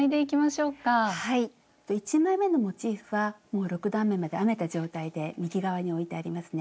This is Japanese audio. １枚めのモチーフはもう６段めまで編めた状態で右側に置いてありますね。